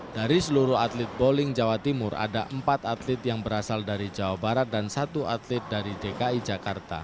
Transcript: dari seluruh atlet bowling jawa timur ada empat atlet yang berasal dari jawa barat dan satu atlet dari dki jakarta